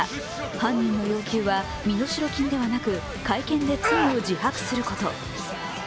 犯人の要求は身代金ではなく会見で罪を自白すること。